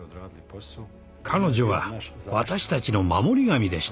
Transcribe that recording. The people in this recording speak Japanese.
彼女は私たちの守り神でした。